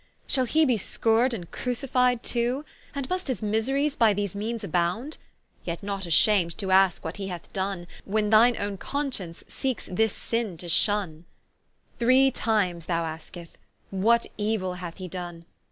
Shall he be scour'd and crucified too? And must his miseries by thy meanes abound? Yet not asham'd to aske what he hath done, When thine owne conscience seeks this sin to shunne. Three times thou askest, What euill hath he done?